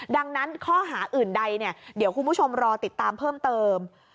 ดังนั้นข้อหาอื่นใดเดี๋ยวคุณผู้ชมรอติดตามเพิ่มเติม